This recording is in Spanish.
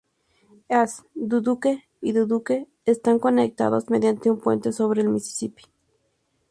East Dubuque y Dubuque están conectadas mediante un puente sobre el Misisipí.